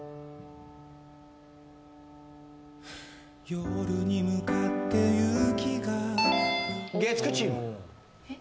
「夜に向かって雪が」月９チーム。